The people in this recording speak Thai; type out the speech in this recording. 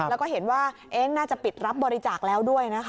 แล้วก็เห็นว่าน่าจะปิดรับบริจาคแล้วด้วยนะคะ